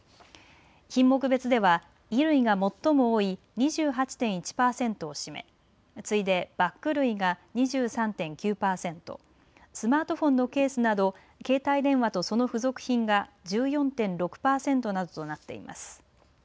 品目別では衣類が最も多い２８．１パーセントを占め次いでバッグ類が２３．９パーセントスマートフォンのケースなど携帯電話とその付属品が１４．６パーセントなどとなっています。